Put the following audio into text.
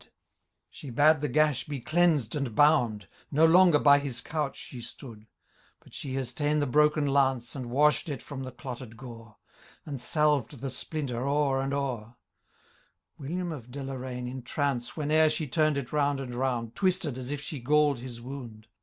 >d by Google 74 THK LAY OF Catito IH She bade the gash be cleanBed and bound : No longer by his couch she stood ; But she has ta^en the broken lance, And wash'd it from the clotteu gore. And salyed the splinter o^er and o^er ' William of Deloraine, in trance. Whene'er she tum'd it round and round. Twisted as if she gall'd his wound.